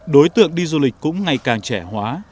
đối tượng đi du lịch cũng ngày càng trẻ hóa